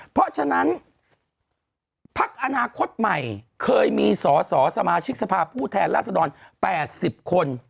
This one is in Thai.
เพราะฉะนั้นพักอนาคตใหม่เคยมีสอสอสมาชิกสภาพผู้แทนราษฎร๘๐คน